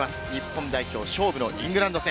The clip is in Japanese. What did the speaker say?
日本代表、勝負のイングランド戦。